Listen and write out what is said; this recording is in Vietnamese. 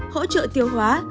hỗ trợ tiêu hóa